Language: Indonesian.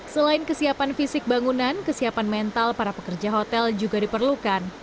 selain kesiapan fisik bangunan kesiapan mental para pekerja hotel juga diperlukan